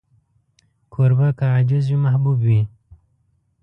کوربه که عاجز وي، محبوب وي.